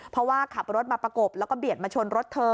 เพราะว่าขับรถมาประกบแล้วก็เบียดมาชนรถเธอ